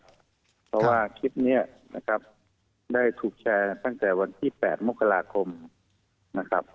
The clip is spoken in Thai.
เพราะว่าคลิปนี้นะครับได้ถูกแชร์ตั้งแต่วันที่๘มกราคมนะครับ